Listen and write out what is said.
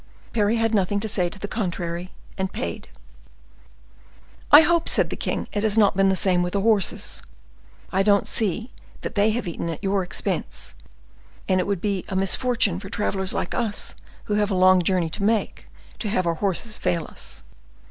Parry had nothing to say to the contrary, and paid. "I hope," said the king, "it has not been the same with the horses. I don't see that they have eaten at your expense, and it would be a misfortune for travelers like us, who have a long journey to make, to have our horses fail us."